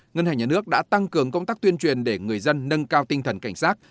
ngân hàng nhà nước đã tăng cường công tác tuyên truyền để người dân nâng cao tinh thần cảnh sát